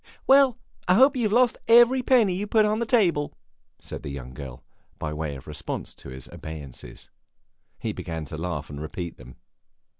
"Well, I hope you have lost every penny you put on the table!" said the young girl, by way of response to his obeisances. He began to laugh and repeat them.